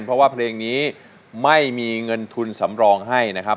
เพราะว่าเพลงนี้ไม่มีเงินทุนสำรองให้นะครับ